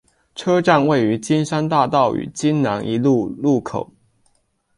车站位于金山大道与金南一路路口。